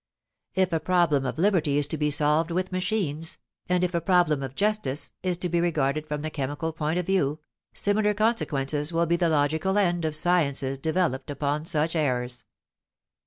If a problem of liberty is to be solved with machines, and if a problem of justice is to be regarded from the chemical point of view, similar consequences will be the logical end of sciences developed upon such errors.